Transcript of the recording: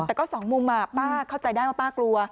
แต่ก็สองมุมป้าเข้าใจได้ว่าป้ากลัว